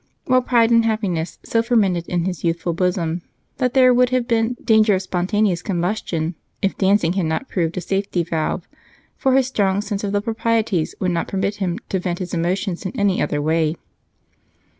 While pride and happiness so fermented in his youthful bosom, there would have been danger of spontaneous combustion if dancing had not proved a safety valve, for his strong sense of the proprieties would not permit him to vent his emotions in any other way.